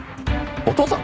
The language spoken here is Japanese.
お父さん！？